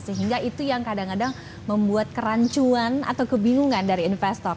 sehingga itu yang kadang kadang membuat kerancuan atau kebingungan dari investor